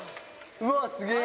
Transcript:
うわ、すげえ。